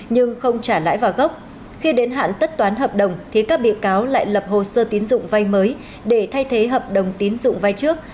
nhưng không trả lãi vào gốc khi đến hạn tất toán hợp đồng thì các bị cáo lại lập hồ sơ tín dụng vay mới để thay thế hợp đồng tín dụng vay trước